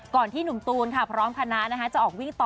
ที่หนุ่มตูนค่ะพร้อมคณะจะออกวิ่งต่อ